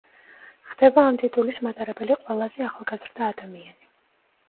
ხდება ამ ტიტულის მატარებელი ყველაზე ახალგაზრდა ადამიანი.